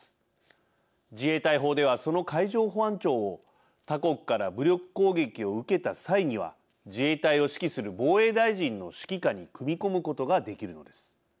自衛隊法ではその海上保安庁を他国から武力攻撃を受けた際には自衛隊を指揮する防衛大臣の指揮下に組み込むことができるのです。